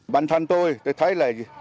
bản thân tôi thấy